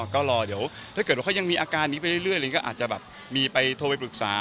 ก็รอเดี๋ยวถ้าเกิดว่าเขายังมีอาการนี้ไปเรื่อยลิงก็อาจจะแบบมีไปโทรไปปรึกษา